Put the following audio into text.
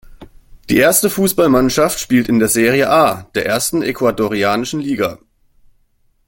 Die erste Fußballmannschaft spielt in der Serie A, der ersten ecuadorianischen Liga.